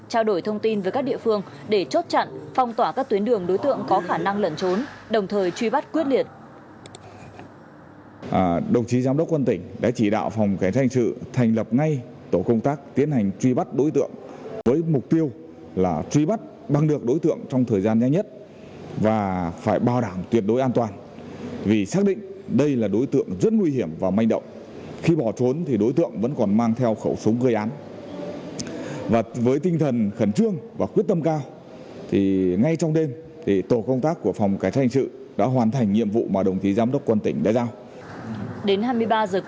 trao đổi thông tin với các địa phương để chốt chặn phong tỏa các tuyến đường đối tượng có khả năng lẩn trốn đồng thời truy bắt quyết liệt